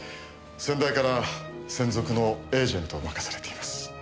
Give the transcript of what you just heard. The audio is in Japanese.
先代から専属のエージェントを任されています。